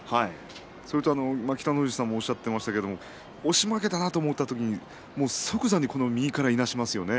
それから北の富士さんもおっしゃっていましたが押し負けたなと思った時に即右からいなしていますよね。